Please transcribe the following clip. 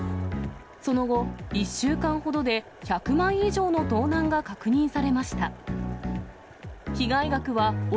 その後、１週間ほどで１００枚以上の盗難が確認されました。